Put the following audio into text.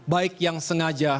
baik yang sengaja